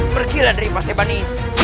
pergilah dari mas ebani